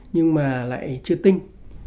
nhưng mà lại chưa tinh